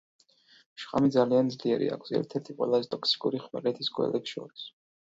შხამი ძალიან ძლიერი აქვს, ერთ-ერთი ყველაზე ტოქსიური ხმელეთის გველებს შორის.